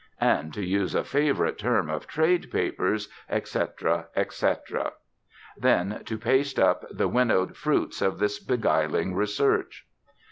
And, to use a favourite term of trade papers, "etc., etc." Then to "paste up" the winnowed fruits of this beguiling research.